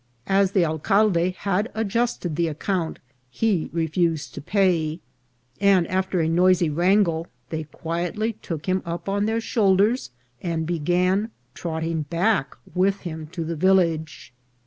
As the alcalde had adjusted the account, he re fused to pay, and, after a noisy wrangle, they quietly took him up on their shoulders, and began trotting back with him to the village.